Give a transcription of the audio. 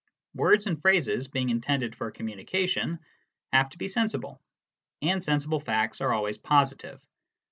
Words and phrases, being intended for communication, have to be sensible ; and sensible facts are always positive.